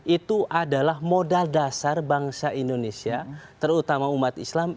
itu adalah modal dasar bangsa indonesia terutama umat islam